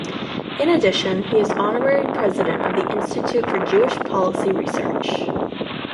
In addition, he is Honorary President of the Institute for Jewish Policy Research.